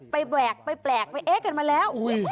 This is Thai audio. แปลกไปแปลกไปเอ๊ะกันมาแล้ว